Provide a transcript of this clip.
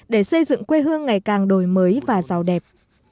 để xây dựng quê hương ngày càng đổi mới và giàu đẹp